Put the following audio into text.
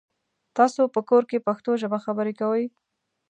تاسو په کور کې پښتو ژبه خبري کوی؟